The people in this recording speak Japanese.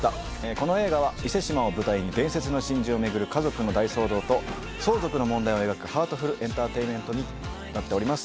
この映画は伊勢志摩を舞台に伝説の真珠を巡る家族の大騒動と相続の問題を描くハートフル・エンターテイメントになっております